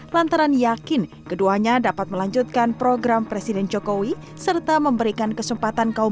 lantaran yakin keduanya dapat melanjutkan program presiden jokowi serta memberikan kesempatan kaum